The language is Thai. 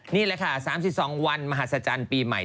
นี่แหละค่ะ๓๒วันมหัศจรรย์ปีใหม่